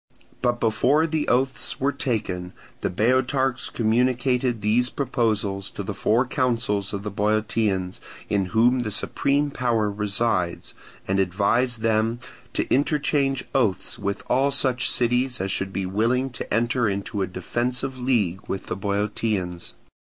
But before the oaths were taken the Boeotarchs communicated these proposals to the four councils of the Boeotians, in whom the supreme power resides, and advised them to interchange oaths with all such cities as should be willing to enter into a defensive league with the Boeotians.